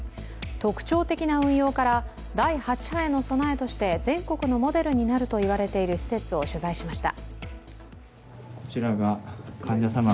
特徴的な運用から第８波への備えとして全国のモデルになると言われている施設を取材しました。